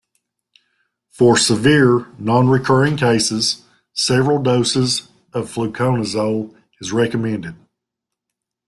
For severe nonrecurring cases, several doses of fluconazole is recommended.